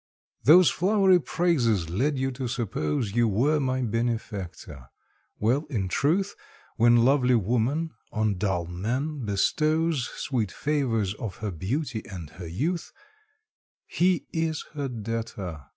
Those flowery praises led you to suppose You were my benefactor. Well, in truth, When lovely woman on dull man bestows Sweet favours of her beauty and her youth, He is her debtor.